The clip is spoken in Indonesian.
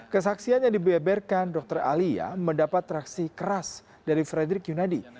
kesaksian yang dibeberkan dr alia mendapat reaksi keras dari frederick yunadi